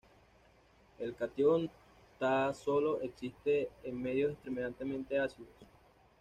El catión Ta solo existe en medios extremadamente ácidos.